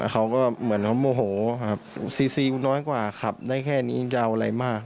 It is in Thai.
เขาก็เหมือนเขาโมโหครับซีซีน้อยกว่าขับได้แค่นี้จะเอาอะไรมาก